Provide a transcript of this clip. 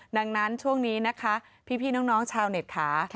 ดังนั้นช่วงนี้นะคะพี่น้องชาวเน็ตค่ะ